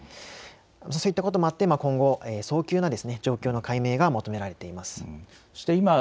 そういったこともあって今後、早急な状況の解明が求められています。